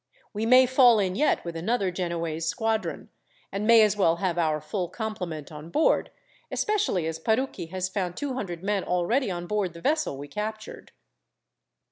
We may fall in yet with another Genoese squadron, and may as well have our full complement on board, especially as Parucchi has found two hundred men already on board the vessel we captured."